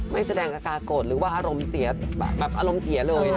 ไม่แสดงอากาศโกรธหรือว่าอารมณ์เสียแบบอารมณ์เสียเลย